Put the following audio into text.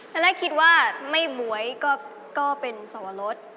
ตอนแรกคิดว่าไม่ม้วยก็เป็นสวรส